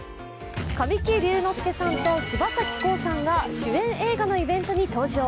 神木隆之介さんと柴咲コウさんが主演映画のイベントに登場。